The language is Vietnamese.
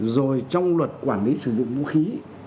rồi trong luật quản lý sử dụng vũ khí